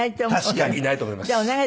確かにいないと思います。